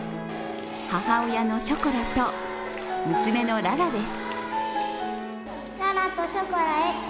母親のショコラと娘のララです。